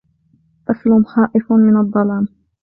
طفل خائف من الظلام.